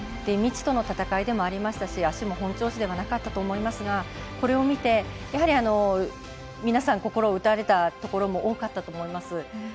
未知との戦いでもありましたし足も本調子ではなかったと思いますがこれを見てやはり、皆さん心を打たれたところも多かったと思います。